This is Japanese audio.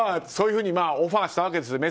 そういうふうにオファーしたわけです。